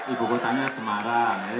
ibu kotanya semarang